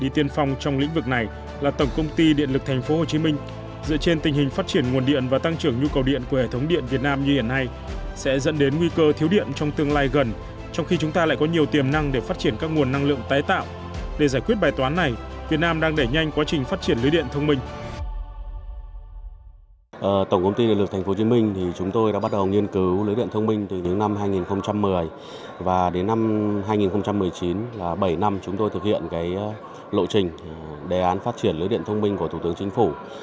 tổng công ty địa lực tp hcm chúng tôi đã bắt đầu nghiên cứu lưới điện thông minh từ những năm hai nghìn một mươi và đến năm hai nghìn một mươi chín là bảy năm chúng tôi thực hiện lộ trình đề án phát triển lưới điện thông minh của thủ tướng chính phủ